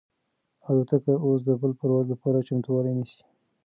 الوتکه اوس د بل پرواز لپاره چمتووالی نیسي.